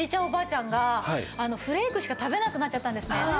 おばあちゃんがフレークしか食べなくなっちゃったんですね。